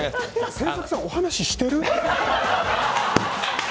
制作さん、お話してる？